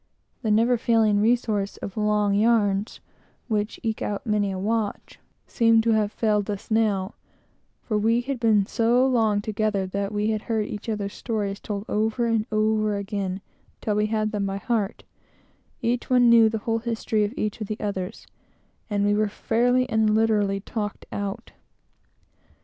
Even the never failing resource of long yarns, which eke out many a watch, seemed to have failed us now; for we had been so long together that we had heard each other's stories told over and over again, till we had them by heart; each one knew the whole history of each of the others, and we were fairly and literally talked out.